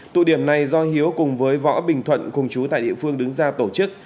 tụ điểm này do hiếu cùng với võ bình thuận cùng chú tại địa phương đứng ra tổ chức